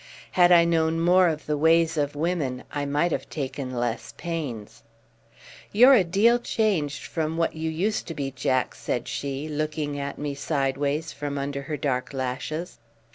Had I known more of the ways of women I might have taken less pains. "You're a deal changed from what you used to be, Jack," said she, looking at me sideways from under her dark lashes.